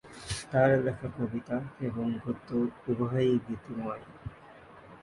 তার লেখা কবিতা এবং গদ্য উভয়ই গীতিময়।